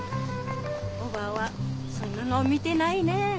おばぁはそんなの見てないねぇ。